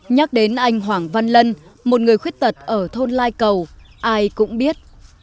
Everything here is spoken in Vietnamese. nhắc đến anh hoàng văn lân một người khuyết tật ở thôn lai cầu ai cũng biết